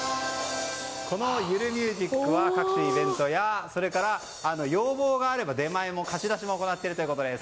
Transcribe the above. このゆるミュージックは各種イベントやそれから要望があれば出前、貸し出しも行っているということです。